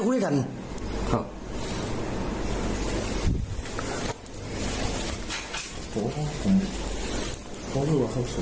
เพราะงั้นกูเป็นคนจ่าย